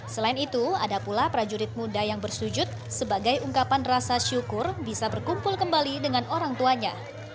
selain itu ada pula prajurit muda yang bersujud sebagai ungkapan rasa syukur bisa berkumpul kembali dengan orang tuanya